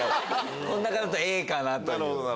こん中だとＡかなという。